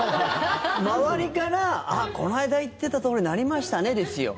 周りからあっ、この間言ってたとおりになりましたねですよ。